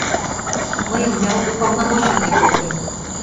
Мыйым ял уполномоченный колтен...